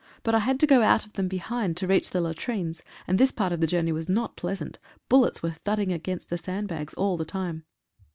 But I had to go out of them behind to reach the latri.it? — ani this part of the journey was not pleasant, bullets were thudding against the sandbags all the time.